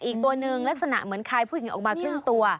อีกตัวหนึ่งลักษณะเหมือนคายผู้หญิงออกมาครึ่งตัว